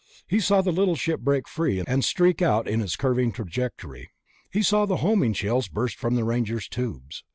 He saw the little ship break free and streak out in its curving trajectory. He saw the homing shells burst from the Ranger's tubes.